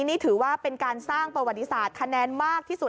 นี่ถือว่าเป็นการสร้างประวัติศาสตร์คะแนนมากที่สุด